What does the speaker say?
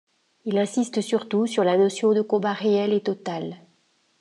Il insiste surtout sur la notion de combat réel et total.